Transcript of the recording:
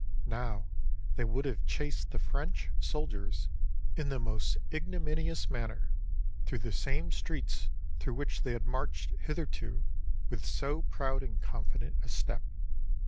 Now they would have chased the French sohders in the most ignominious manner through the same streets through which they had marched hitherto with so proud and confident a step.